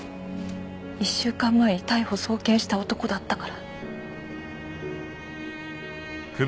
１週間前に逮捕送検した男だったから。